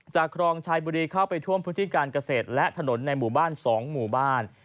ครองชายบุรีเข้าไปท่วมพื้นที่การเกษตรและถนนในหมู่บ้าน๒หมู่บ้าน